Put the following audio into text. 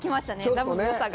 ダムの良さが。